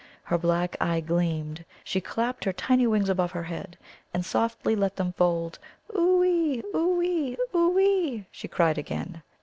Her black eye gleamed. She clapped her tiny wings above her head, and softly let them fold. "Oo ee, oo ee, oo ee!" she cried again.